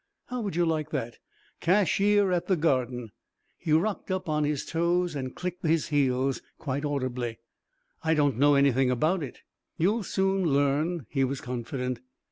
How would you like that cashier at the Garden?" He rocked up on his toes and clicked his heels quite audibly. "I don't know anything about it." "You'll soon learn," he was confident.